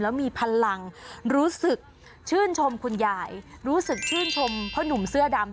แล้วมีพลังรู้สึกชื่นชมคุณยายรู้สึกชื่นชมพ่อหนุ่มเสื้อดำ